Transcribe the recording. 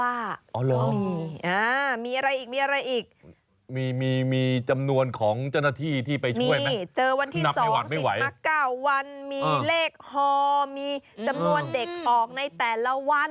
อะอ้าวมีอะไรอีกมีอะไรอีกมีจำนวนของเจ้าหน้าที่ที่ไปที่มีเจอวัน๒๙๙วันมีเรตตำรวจเหาะจำนวนเด็กออกในแต่ละวัน